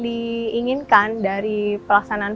diinginkan dari pelaksanaan